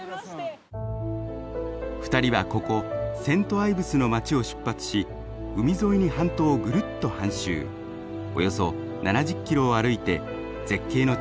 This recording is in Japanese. ２人はここセント・アイブスの街を出発し海沿いに半島をぐるっと半周およそ７０キロを歩いて絶景の地